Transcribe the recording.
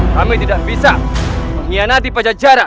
kami tidak bisa mengkhianati pajajara